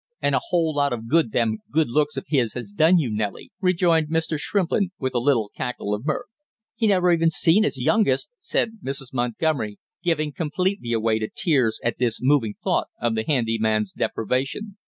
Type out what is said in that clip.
"And a whole lot of good them good looks of his has done you, Nellie," rejoined Mr. Shrimplin, with a little cackle of mirth. "He never even seen his youngest!" said Mrs. Montgomery, giving completely away to tears at this moving thought of the handy man's deprivation.